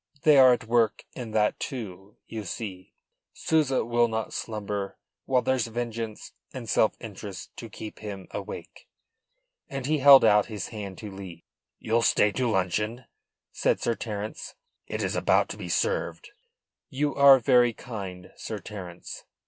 "They are at work in that, too, you see. Souza will not slumber while there's vengeance and self interest to keep him awake." And he held out his hand to take his leave. "You'll stay to luncheon?" said Sir Terence. "It is about to be served." "You are very kind, Sir Terence."